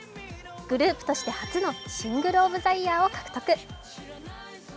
グループとして初のシングル・オブ・ザ・イヤーを獲得。